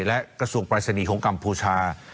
และกระทรวงปรายศนีย์ของกัมพูชา